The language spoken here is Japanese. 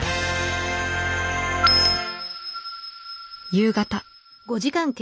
夕方。